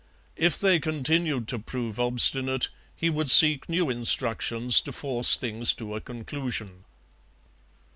If they continued to prove obstinate, he would seek new instructions to force things to a conclusion.